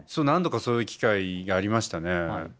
何度かそういう機会がありましたね。